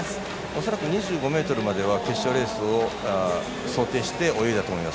恐らく２５ｍまでは決勝レースを想定して泳いだと思います。